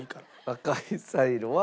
赤いサイロは。